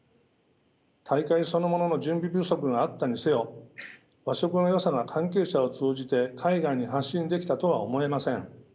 大会そのものの準備不足があったにせよ和食のよさが関係者を通じて海外に発信できたとは思えません。